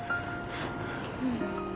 うん。